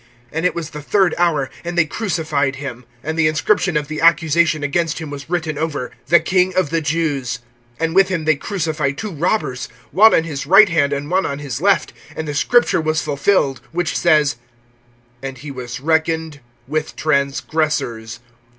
(25)And it was the third hour; and they crucified him. (26)And the inscription of the accusation against him was written over: THE KING OF THE JEWS. (27)And with him they crucify two robbers; one on his right hand, and one on his left. (28)And the scripture was fulfilled, which says: And he was reckoned with transgressors.